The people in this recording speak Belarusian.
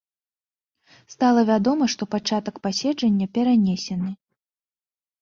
Стала вядома, што пачатак паседжання перанесены.